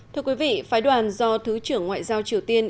thưa quý vị phái đoàn do thứ trưởng ngoại giao triều tiên